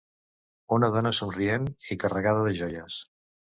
Una dona somrient i carregada de joies.